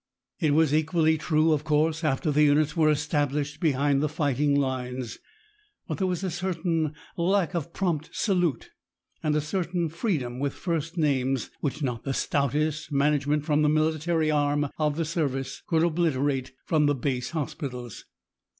It was equally true, of course, after the units were established behind the fighting lines. But there was a certain lack of prompt salute and a certain freedom with first names which not the stoutest management from the military arm of the service could obliterate from the base hospitals.